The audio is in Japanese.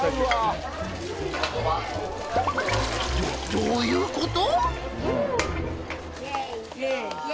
どういうこと？